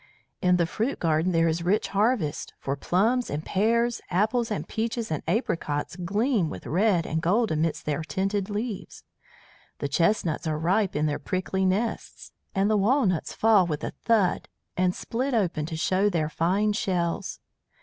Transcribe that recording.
"In the fruit garden there is rich harvest, for plums and pears, apples and peaches and apricots gleam with red and gold amidst their tinted leaves. The chestnuts are ripe in their prickly nests, and the walnuts fall with a thud and split open to show their fine shells.